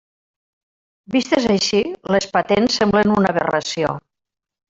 Vistes així, les patents semblen una aberració.